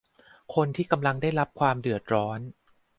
คนที่กำลังได้รับความเดือดร้อน